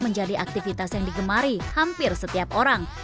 menjadi aktivitas yang digemari hampir setiap orang